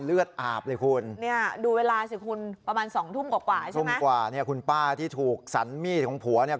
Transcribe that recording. เลือดอาบเลยคุณเนี่ยดูเวลาสิคุณประมาณสองทุ่มกว่ากว่าใช่ไหมทุ่มกว่าเนี่ยคุณป้าที่ถูกสันมีดของผัวเนี่ย